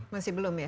masih belum ya